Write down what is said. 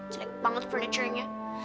silek banget furniture nya